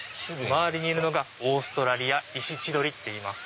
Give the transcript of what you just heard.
周りにいるのがオーストラリアイシチドリっていいます。